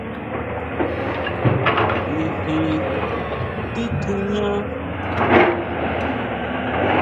Nijin titjuñá.